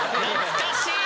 懐かしい。